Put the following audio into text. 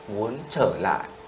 muốn trở lại